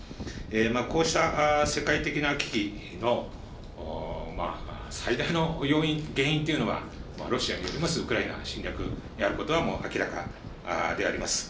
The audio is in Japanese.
こうした世界的な危機の最大の要因、原因というのは、ロシアによりますウクライナ侵略であることはもう明らかであります。